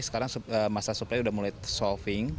sekarang masalah suplai sudah mulai solving